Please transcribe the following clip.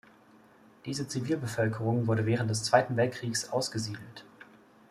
Diese Zivilbevölkerung wurde während des Zweiten Weltkriegs ausgesiedelt.